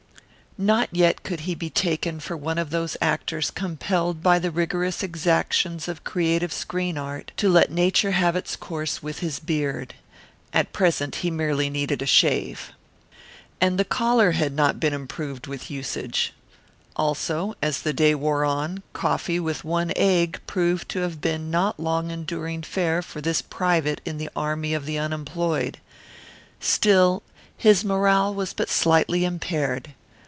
Not yet could he be taken for one of those actors compelled by the rigorous exactions of creative screen art to let Nature have its course with his beard. At present he merely needed a shave. And the collar had not improved with usage. Also, as the day wore on, coffee with one egg proved to have been not long enduring fare for this private in the army of the unemployed. Still, his morale was but slightly impaired.